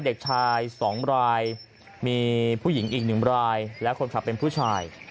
เด็กชาย๒รายมีผู้หญิงอีกหนึ่งรายและคนขับเป็นผู้ชาย